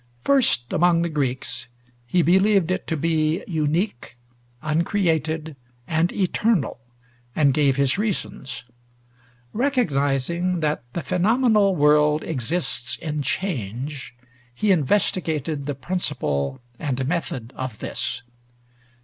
First among the Greeks he believed it to be unique, uncreated, and eternal, and gave his reasons. Recognizing that the phenomenal world exists in change, he investigated the principle and method of this.